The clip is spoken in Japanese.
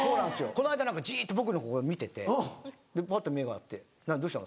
この間何かじっと僕のこと見ててぱっと目が合って「何どうしたの？」